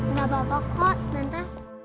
nggak apa apa kok mente